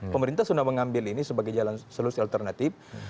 pemerintah sudah mengambil ini sebagai jalan seluruh alternatif